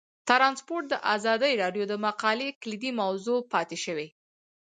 ترانسپورټ د ازادي راډیو د مقالو کلیدي موضوع پاتې شوی.